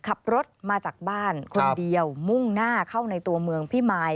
ขับรถมาจากบ้านคนเดียวมุ่งหน้าเข้าในตัวเมืองพิมาย